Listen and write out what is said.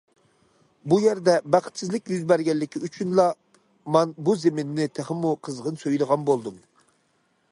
بۇ يەردە بەختسىزلىك يۈز بەرگەنلىكى ئۈچۈنلا مان بۇ زېمىننى تېخىمۇ قىزغىن سۆيىدىغان بولدۇم.